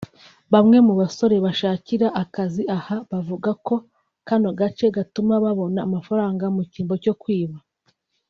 bamwe mu basore bashakira akazi aha bavuga ko kano gace gatuma babona amafaranga mu kimbo cyo kwiba